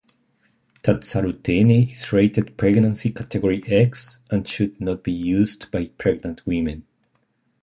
Tazarotene is rated pregnancy category X, and should not be used by pregnant women.